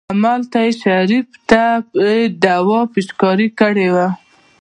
همالته يې شريف ته دوا پېچکاري کړې وه.